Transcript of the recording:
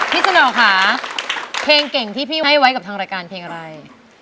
สนอค่ะเพลงเก่งที่พี่ให้ไว้กับทางรายการเพลงอะไร